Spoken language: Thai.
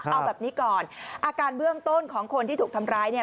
เอาแบบนี้ก่อนอาการเบื้องต้นของคนที่ถูกทำร้ายเนี่ย